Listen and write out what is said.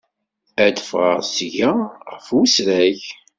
Ad d-ffɣeɣ seg-a ɣef wesrag.